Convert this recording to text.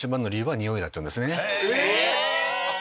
え！